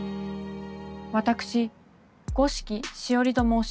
私五色しおりと申します。